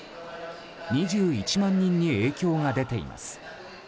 ２１万人に影響が出ています。